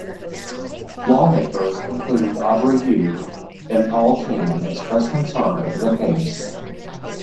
Lawmakers including Audrey Eu and Paul Chan expressed concern over the case.